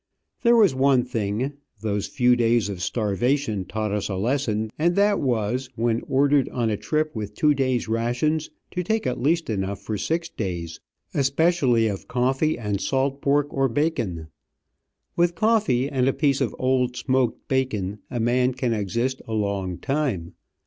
There was one thing those few days of starvation taught us a lesson, and that was, when ordered on a trip with two days' rations, to take at least enough for six days, especially of coffee and salt pork or bacon. With coffee and a piece of old smoked bacon, a man can exist a long time.